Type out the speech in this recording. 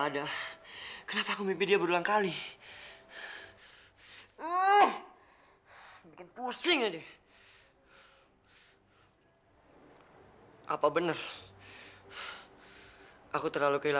dan ini buat kamu alva